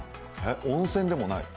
温泉でもない？